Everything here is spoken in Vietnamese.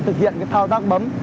thực hiện cái thao tác bấm